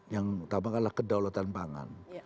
yang utama adalah kedaulatan pangan